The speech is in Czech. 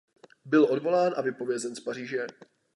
Byl odvolán a vypovězen z Paříže.